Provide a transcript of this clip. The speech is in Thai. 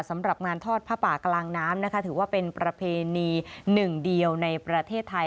สำหรับงานทอดผ้าป่ากลางน้ำนะคะถือว่าเป็นประเพณีหนึ่งเดียวในประเทศไทย